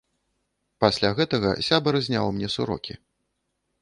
Пасля гэтага сябар зняў мне сурокі.